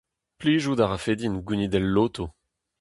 Plijout a rafe din gounit el loto.